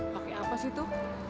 pakai apa sih itu